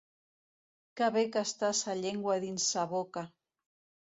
Que bé que està sa llengua dins sa boca!